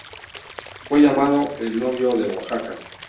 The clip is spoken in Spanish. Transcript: Fue llamado el novio de Oaxaca.